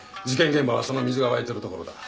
現場はその水が湧いてる所だ